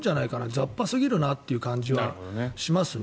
雑把すぎるなという感じはしますね。